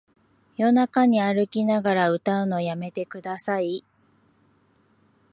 夜中に歩きながら歌うのやめてください